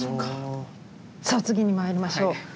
さあ次にまいりましょう。